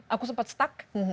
aku sempat stuck